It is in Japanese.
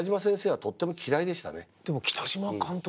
でも北島監督